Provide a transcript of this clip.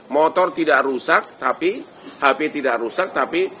motor tidak rusak tapi hp tidak rusak tapi